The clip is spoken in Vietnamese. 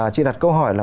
chị đặt câu hỏi là